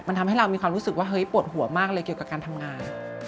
มันทำให้เรามีความรู้สึกว่าเฮ้ยปวดหัวมากเลยเกี่ยวกับการทำงาน